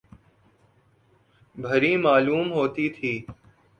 بھری معلوم ہوتی تھی ۔